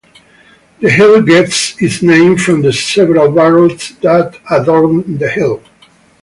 The hill gets its name from the several barrows that adorn the hill.